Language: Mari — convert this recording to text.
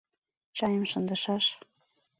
Чайым шындышаш.